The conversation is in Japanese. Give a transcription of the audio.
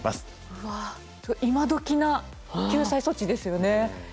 うわ今どきな救済措置ですよね。